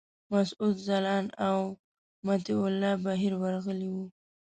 مسعود ځلاند او مطیع الله بهیر ورغلي وو.